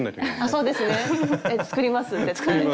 そうですね。作ります絶対。